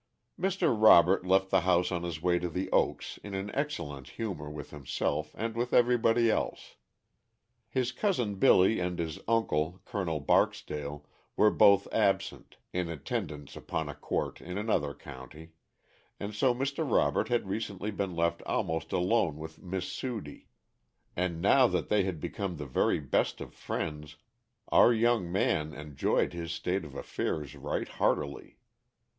_ Mr. Robert left the house on his way to The Oaks in an excellent humor with himself and with everybody else. His cousin Billy and his uncle Col. Barksdale were both absent, in attendance upon a court in another county, and so Mr. Robert had recently been left almost alone with Miss Sudie, and now that they had become the very best of friends our young man enjoyed this state of affairs right heartily.